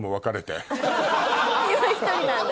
今一人なんだ。